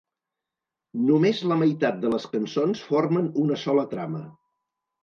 Només la meitat de les cançons formen una sola trama.